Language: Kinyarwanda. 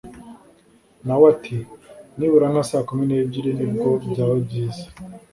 nawe ati nibura nka saa kumi nebyiri nibwo byaba byiza